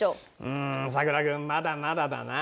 んさくら君まだまだだな。